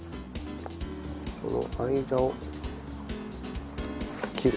この間を切る。